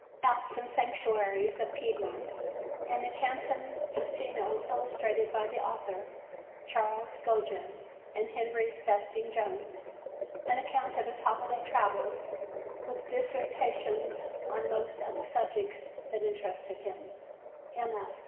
Alps and Sanctuaries of Piedmont and the Canton Ticino illustrated by the author, Charles Gogin and Henry Festing Jones: an account of his holiday travels with dissertations on most of the subjects that interested him: MS.